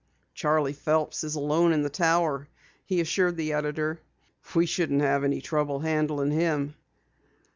"Charley Phelps is alone in the Tower," he assured the editor. "We shouldn't have any trouble handling him."